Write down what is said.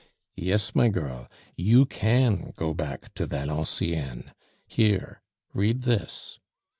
"Yes, my girl, you can go back to Valenciennes. Here, read this."